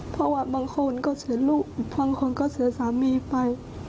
เพราะว่าบางคนก็เสียลูกบางคนก็เสียสามีไป